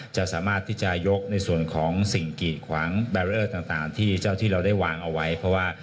จะสามารถที่จะยกในส่วนของสิ่งกิดขวางแบรเลอร์ต่างที่เจ้าที่เราได้วางเอาไว้เพราะว่า